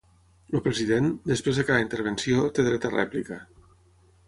El president, després de cada intervenció, té dret a rèplica.